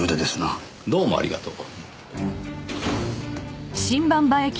どうもありがとう。